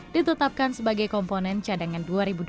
ditetapkan sebagai komponen cadangan dua ribu dua puluh